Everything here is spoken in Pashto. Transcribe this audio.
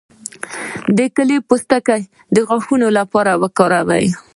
د کیلې پوستکی د غاښونو لپاره وکاروئ